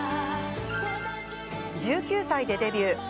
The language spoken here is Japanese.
１９歳でデビュー。